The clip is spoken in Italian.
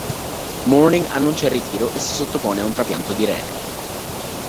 Mourning annuncia il ritiro e si sottopone ad un trapianto di rene.